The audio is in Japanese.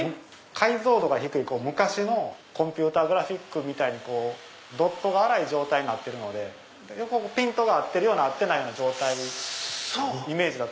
解像度が低い昔のコンピューターグラフィックみたいにドットが粗い状態になってるのでピントが合ってるような合ってないような状態のイメージ。